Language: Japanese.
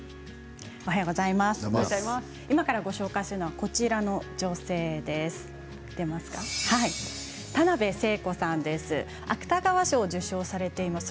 今からご紹介するのはこちらの女性です。